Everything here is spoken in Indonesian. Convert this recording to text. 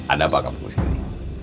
ada apa kamu disini